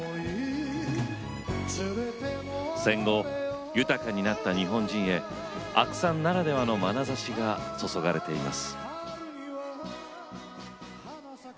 戦後豊かになった日本人へ阿久さんならではのまなざしが注がれています。